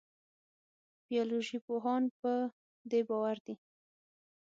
بیولوژي پوهان په دې باور دي.